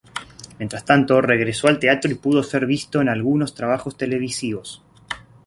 Mientras tanto, regresó al teatro y pudo ser visto en algunos trabajos televisivos.